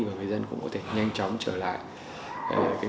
và người dân cũng có thể nhanh chóng trở lại